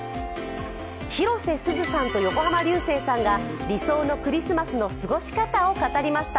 広瀬すずさんと横浜流星さんが理想のクリスマスの過ごし方を語りました。